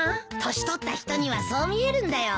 年取った人にはそう見えるんだよ。